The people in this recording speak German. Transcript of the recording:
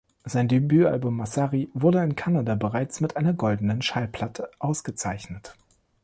Sein Debütalbum "Massari" wurde in Kanada bereits mit einer Goldenen Schallplatte ausgezeichnet.